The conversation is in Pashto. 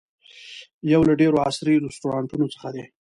یو له ډېرو عصري رسټورانټونو څخه دی.